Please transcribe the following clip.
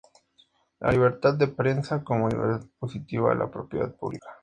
La libertad de prensa como libertad positiva a la propiedad pública.